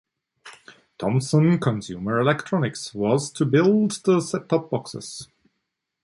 Thomson Consumer Electronics was to build the set-top boxes.